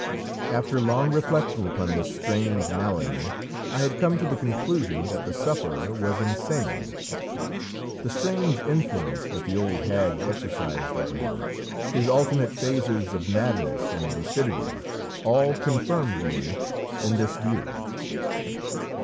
After long reflection upon this strange malady I had come to the conclusion that the sufferer was insane. The strange influence that the old hag exercised over him, his alternate phases of madness and lucidity, all confirmed me in this view.